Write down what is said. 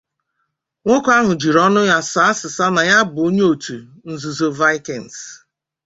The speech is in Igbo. nwoke ahụ jiri ọnụ ya sàá asịsà na ya bụ onye otu nzuzo 'Vikings'